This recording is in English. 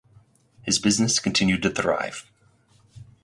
His business continued to thrive.